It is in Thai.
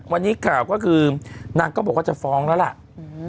วันนี้ข่าวก็คือนางก็บอกว่าจะฟ้องแล้วล่ะ